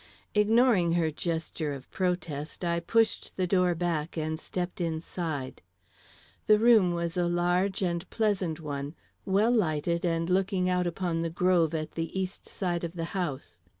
Ignoring her gesture of protest, I pushed the door back and stepped inside. The room was a large and pleasant one, well lighted and looking out upon the grove at the east side of the house.